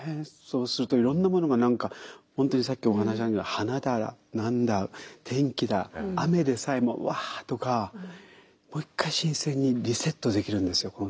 そうするといろんなものが何か本当にさっきお話にもあるように花だ何だ天気だ雨でさえも「わあ！」とかもう一回新鮮にリセットできるんですよ